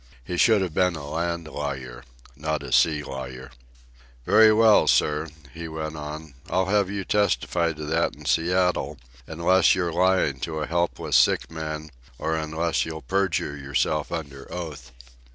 He should have been a land lawyer, not a sea lawyer. "Very well, sir," he went on. "I'll have you testify to that in Seattle, unless you're lying to a helpless sick man, or unless you'll perjure yourself under oath."